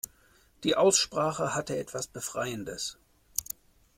Die Aussprache hatte etwas Befreiendes.